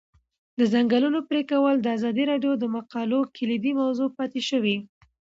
د ځنګلونو پرېکول د ازادي راډیو د مقالو کلیدي موضوع پاتې شوی.